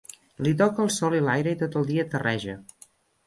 Li toca el sol i l'aire i tot el dia terreja.